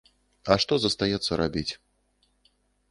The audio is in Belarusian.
А што застаецца рабіць.